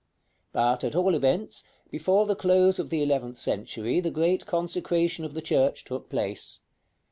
But, at all events, before the close of the eleventh century the great consecration of the church took place.